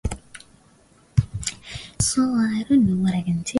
kutofautiana kutoka nchi moja hadi nyingine na vinaweza kuwa juu au chini